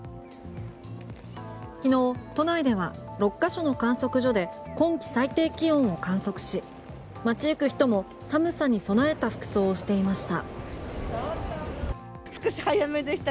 昨日都内では６ヶ所の観測所で今季最低気温を観測し街行く人も、寒さに備えた服装をしていました。